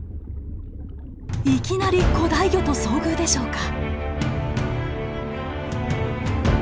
いきなり古代魚と遭遇でしょうか？